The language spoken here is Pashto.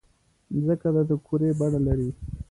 مځکه د کُرې بڼه لري.